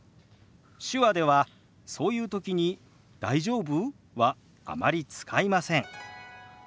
手話ではそういう時に「大丈夫？」はあまり使いません。